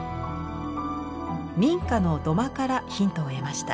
民家の土間からヒントを得ました。